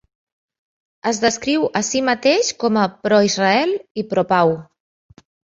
Es descriu a sí mateix com a "pro Israel" i "pro pau".